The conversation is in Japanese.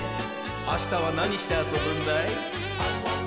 あしたはなにしてあそぶんだい？